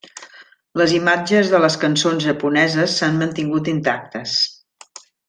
Les imatges de les cançons japoneses s'han mantingut intactes.